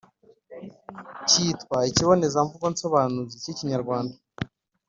kitwa ikibonezamvugo nsobanuzi k’ikinyarwanda